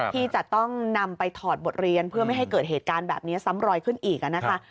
ที่จะต้องนำไปถอดบทเรียนเพื่อไม่ให้เกิดเหตุการณ์แบบนี้ซ้ำรอยขึ้นอีกนะคะ